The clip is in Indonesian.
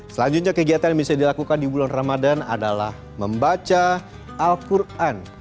selanjutnya kegiatan yang bisa dilakukan di bulan ramadan adalah membaca al quran